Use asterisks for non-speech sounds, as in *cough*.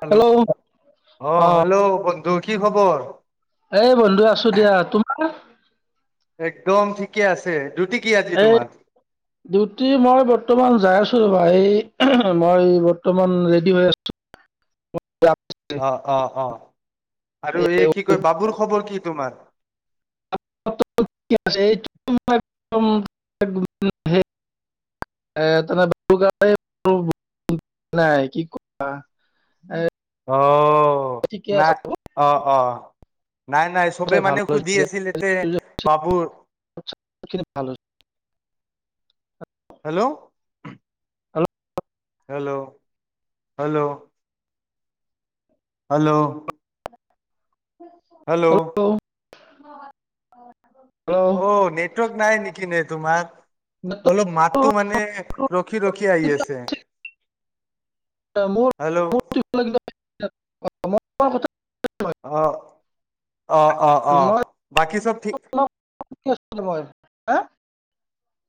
Hello, অহ ', hello, তোৰ কি খবৰ? এহ বন্ধু আছো দিয়া তোমাৰ? একদম ঠিক। এই ডিউটি মই বৰ্তমান যাই আছো। ভাই মই বৰ্তমান ৰেডি হৈ আছো। যাম চাগে। অহ -অহ -অহ আৰু এই কি কয় বাবুৰ খবৰ কি তোমাৰ? *unintelligible* নাই কি কোৱা এই। অহ ', অহ ', নাই অহ', - অহ', নাই- নাই চবে চাই ভাল মানে হৈছে সুধি দিয়া আছিল এতে এইটো যে বাবুৰ হৈছে, খিনি ভাল হৈছে hello, hello, hello, - hello, hello, hello, ম *inaudible* অ নেটৱৰ্ক নাই নি? কি নেটৱৰ্ক নাই। অলপ মাতো মানে নেটৱৰ্কটো ৰখি -ৰখি আহি আছে। ম ম হেল্ল' ল *unintelligible* *unintelligible* অহ', অহ - অহ - অহ বাকি চব ঠিক। ই হ *unintelligible*